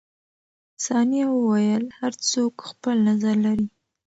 ثانیه وویل، هر څوک خپل نظر لري.